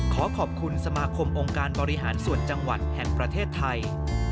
ขอขอบคุณสมาคมองค์การบริหารส่วนจังหวัดแห่งประเทศไทย